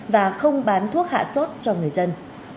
và không bán thuốc hạ sốt cho người dân